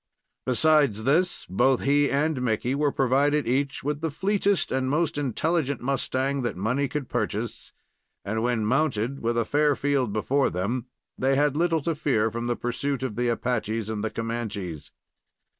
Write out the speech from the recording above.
Besides this, both he and Mickey were provided each with the fleetest and most intelligent mustang that money could purchase, and when mounted and with a fair field before them, they had little to fear from the pursuit of the Apaches and Comanches.